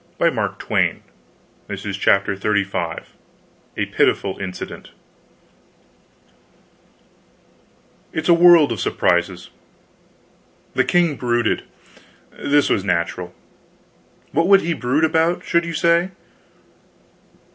Born so, no doubt. CHAPTER XXXV A PITIFUL INCIDENT It's a world of surprises. The king brooded; this was natural. What would he brood about, should you say?